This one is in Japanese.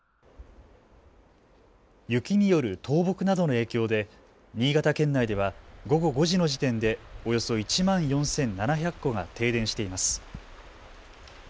雪による倒木などの影響で新潟県内では午後５時の時点でおよそ１万４７００戸が停電しています。